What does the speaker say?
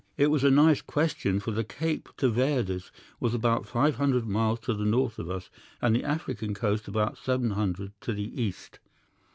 It was a nice question, for the Cape de Verds were about five hundred miles to the north of us, and the African coast about seven hundred to the east.